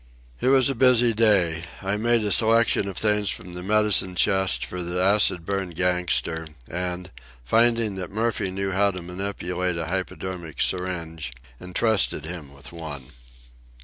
It was a busy day. I made a selection of things from the medicine chest for the acid burned gangster; and, finding that Murphy knew how to manipulate a hypodermic syringe, entrusted him with one.